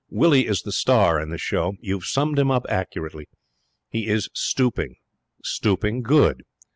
Willie is the "star" in this show. You have summed him up accurately. He is stooping. Stooping good.